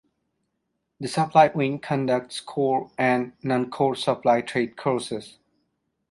The Supply Wing conducts core and non core Supply Trade courses.